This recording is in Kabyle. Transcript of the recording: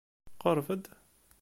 Qṛeb-d!